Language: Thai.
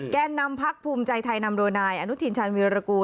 แก่นำพักภูมิใจไทยนำโดยนายอนุทินชาญวีรกูล